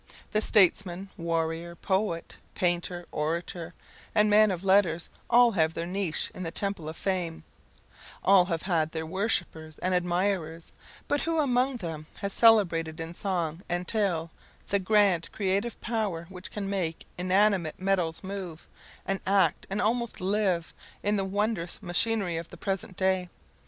The statesman, warrior, poet, painter, orator, and man of letters, all have their niche in the temple of fame all have had their worshippers and admirers; but who among them has celebrated in song and tale the grand creative power which can make inanimate metals move, and act, and almost live, in the wondrous machinery of the present day!